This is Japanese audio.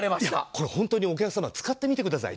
これ、本当にお客様、使ってみてください。